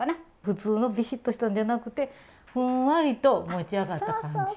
普通のビシッとしたんじゃなくてふんわりと持ち上がった感じ？